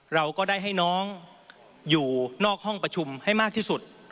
เราก็ได้ให้น้องอยู่นอกห้องประชุมให้มากที่สุด